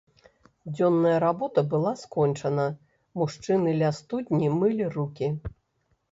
Дзённая работа была скончана, мужчыны ля студні мылі рукі.